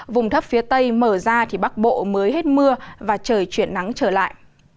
vùng thấp phía tây mở ra thì bắc bộ mới hết mưa và trời chuyển nắng trở lại